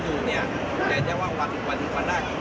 ซึ่งได้รับการตอบรับไปอย่างน้อย